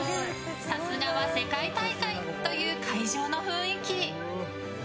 さすがは世界大会という会場の雰囲気。